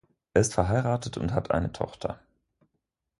Er ist verheiratet und hat eine Tochter.